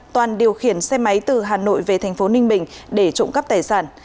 toàn điều khiển xe máy từ hà nội về thành phố ninh bình để trộm cắp tài sản